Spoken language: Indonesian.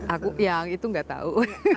aku yang itu nggak tahu